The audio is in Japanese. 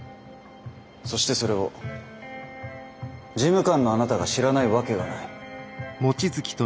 そしてそれを事務官のあなたが知らないわけがない。